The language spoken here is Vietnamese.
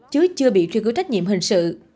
chứ chưa bị truy cưu trách nhiệm hình sự